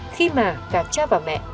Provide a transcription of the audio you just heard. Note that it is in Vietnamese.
khi mà cả cha và mẹ